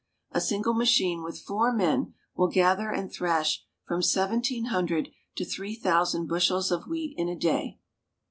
A single machine with four men will gather and thrash from seventeen hundred to three thousand bushels of wheat in a day.